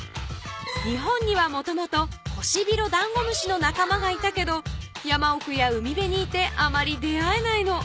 日本にはもともとコシビロダンゴムシのなかまがいたけどやまおくやうみべにいてあまり出合えないの。